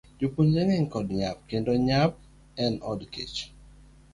Jopuonjre ng'enygi nyap kendo nyao en od kech.